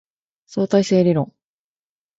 相対性理論